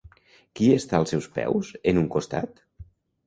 Qui està als seus peus, en un costat?